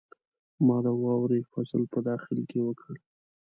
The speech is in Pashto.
ما د واورې فصل په داخل کې وکړ.